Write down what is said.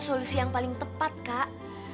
solusi yang paling tepat kak